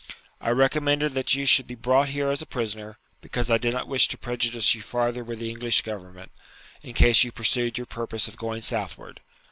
I recommended that you should be brought here as a prisoner, because I did not wish to prejudice you farther with the English government, in case you pursued your purpose of going southward.